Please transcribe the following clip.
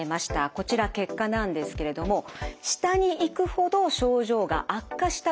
こちら結果なんですけれども下に行くほど症状が悪化したことを示しています。